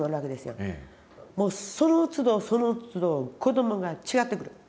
もうそのつどそのつど子どもが違ってくる。